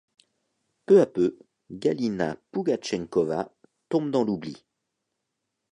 Peu à peu, Galina Pougatchenkova tombe dans l'oubli.